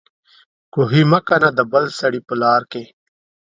کوهي مه کنه د بل سړي په لار کې